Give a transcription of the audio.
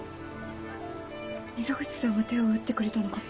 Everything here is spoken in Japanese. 溝口さんが手を打ってくれたのかも。